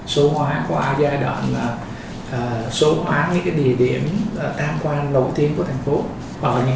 số hóa qua giai đoạn là số hóa những cái địa điểm tham quan nổi tiếng của thành phố bởi những